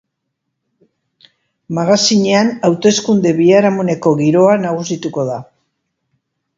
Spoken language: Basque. Magazinean, hauteskunde biharamuneko giroa nagusituko da.